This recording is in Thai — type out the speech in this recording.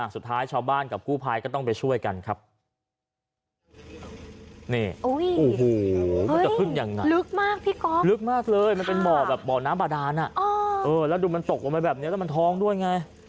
สุดท้ายชาวบ้านกับกู้ภัยก็ต้องไปช่วยกันครับนี่โอ้โหโอ้โหมันจะขึ้นยังไง